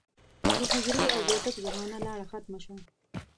د حجرې او بېټک زمانه لاړه ختمه شوه